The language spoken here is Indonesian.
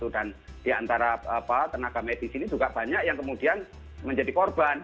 dan diantara tenaga medis ini juga banyak yang kemudian menjadi korban